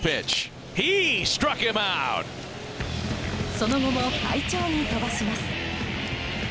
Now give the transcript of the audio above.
その後も快調に飛ばします。